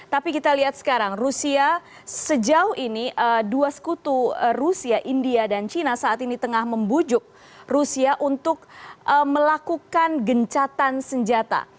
tapi kita lihat sekarang rusia sejauh ini dua sekutu rusia india dan cina saat ini tengah membujuk rusia untuk melakukan gencatan senjata